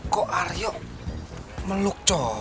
kok aryo melukcoh